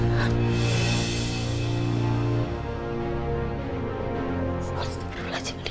harusnya berulang aja